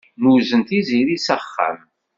Nuzen Tiziri s axxam.